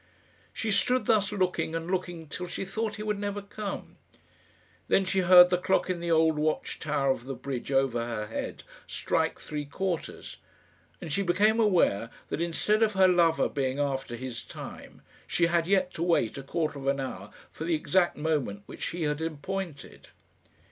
She stood thus looking and looking till she thought he would never come. Then she heard the clock in the old watch tower of the bridge over her head strike three quarters, and she became aware that, instead of her lover being after his time, she had yet to wait a quarter of an hour for the exact moment which he had appointed.